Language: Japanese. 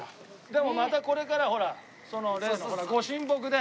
でもまたこれからほらその例の御神木で。